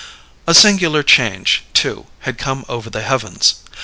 "A singular change, too, had come over the heavens.